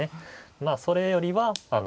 まあそれよりはあの。